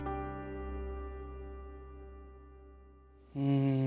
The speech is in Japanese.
うん。